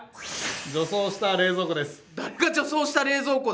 女装した冷蔵庫です。